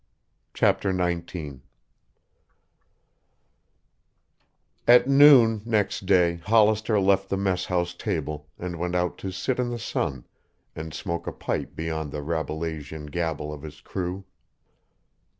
CHAPTER XIX At noon next day Hollister left the mess house table and went out to sit in the sun and smoke a pipe beyond the Rabelaisian gabble of his crew.